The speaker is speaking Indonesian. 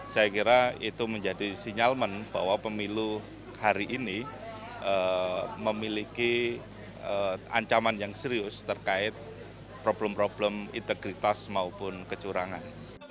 saya kira itu menjadi sinyalmen bahwa pemilu hari ini memiliki ancaman yang serius terkait problem problem integritas maupun kecurangan